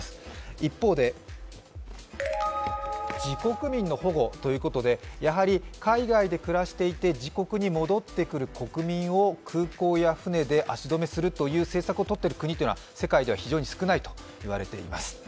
一方で自国民の保護ということで海外で暮らしていて自国に戻ってくる国民を空港や船で足止めするという政策をとっている国は世界で少ないということです。